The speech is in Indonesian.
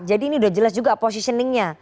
jadi ini udah jelas juga positioningnya